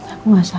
aku gak sakit